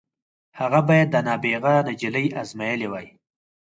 هغه بايد دا نابغه نجلۍ ازمايلې وای.